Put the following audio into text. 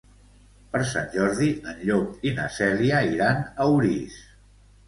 Per Sant Jordi en Llop i na Cèlia iran a Orís.